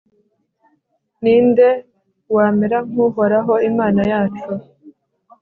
ni nde wamera nk'uhoraho imana yacu